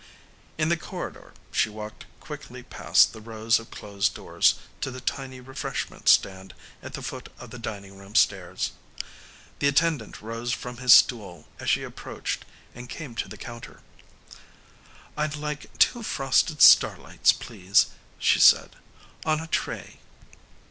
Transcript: In the corridor, she walked quickly past the rows of closed doors to the tiny refreshment stand at the foot of the dining room stairs. The attendant rose from his stool as she approached, and came to the counter. "I'd like two frosted starlights, please," she said, "on a tray."